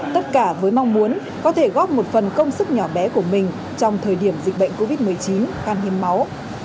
tất cả với mong muốn có thể góp một phần công sức nhỏ bé của mình trong thời điểm dịch bệnh covid một mươi chín khan hiếm máu